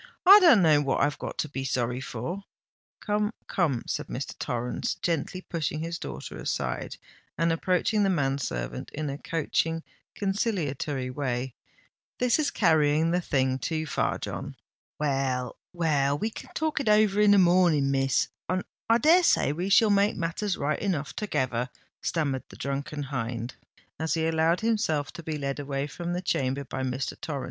"I don't know what I've got to be sorry for——" "Come, come," said Mr. Torrens, gently pushing his daughter aside, and approaching the man servant in a coaxing, conciliatory way; "this is carrying the thing too far, John——" "Well—well, we can talk it over in the morning, Miss—and I dare say we shall make matters right enough together," stammered the drunken hind, as he allowed himself to be led away from the chamber by Mr. Torrens.